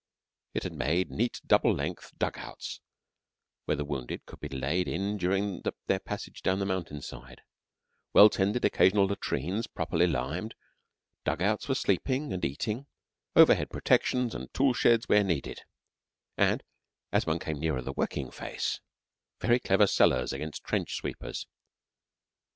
It had made neat double length dug outs where the wounded could be laid in during their passage down the mountain side; well tended occasional latrines properly limed; dug outs for sleeping and eating; overhead protections and tool sheds where needed, and, as one came nearer the working face, very clever cellars against trench sweepers.